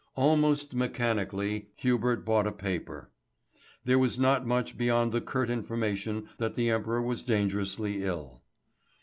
Almost mechanically Hubert bought a paper. There was not much beyond the curt information that the Emperor was dangerously ill.